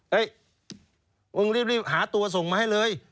มึงรีบหาตัวส่งมาให้เลย